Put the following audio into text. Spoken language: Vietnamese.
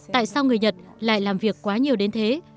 tại sao người nhật lại làm việc quá nhiều đến thế